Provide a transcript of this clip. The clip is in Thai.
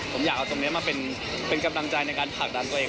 ผมอยากเอาตรงนี้มาเป็นกำลังใจในการผลักดันตัวเอง